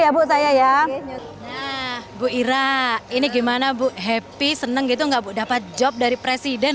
ya bu saya ya nah bu ira ini gimana bu happy seneng gitu enggak bu dapat job dari presiden